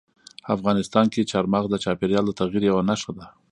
افغانستان کې چار مغز د چاپېریال د تغیر یوه نښه ده.